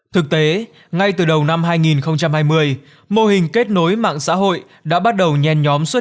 thực tế ngay từ đầu năm hai nghìn hai mươi mô hình kết nối mạng xã hội đã bắt đầu nhen nhóm xuất